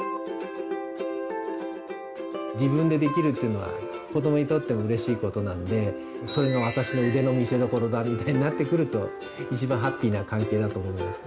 自分でできるっていうのは子どもにとってもうれしいことなので「それがワタシのウデのみせどころだ」みたいになってくると一番ハッピーな関係だと思います。